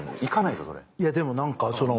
いやでも何か。